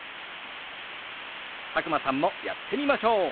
佐久間さんもやってみましょう！